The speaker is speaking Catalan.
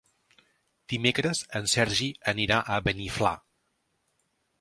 Dimecres en Sergi anirà a Beniflà.